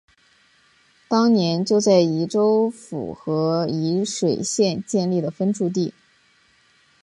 当年就在沂州府和沂水县建立了分驻地。